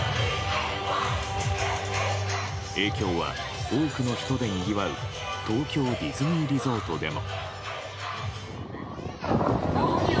影響は、多くの人でにぎわう東京ディズニーリゾートでも。